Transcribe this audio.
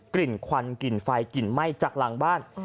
กลิ่นควันกลิ่นไฟกลิ่นไหม้จากหลังบ้าน